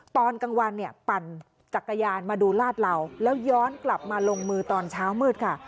ตอนกลางวันเนี่ยปั่นจักรยานมาดูลาดเหล่าแล้วย้อนกลับมาลงมือตอนเช้ามืดค่ะ